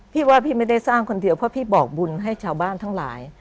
พี่ว่าพี่ไม่ได้สร้างคนเดียวเพราะพี่บอกบุญให้ชาวบ้านทั้งหลาย